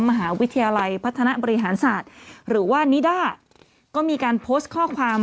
มหาวิทยาลัยพัฒนาบริหารศาสตร์หรือว่านิด้าก็มีการโพสต์ข้อความ